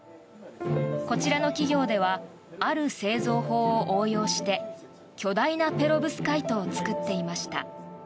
こちらの企業ではある製造法を応用して巨大なペロブスカイトを作っていました。